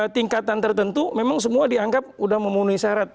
tingkatan tertentu memang semua dianggap sudah memenuhi syarat